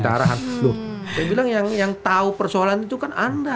saya bilang yang tahu persoalan itu kan anda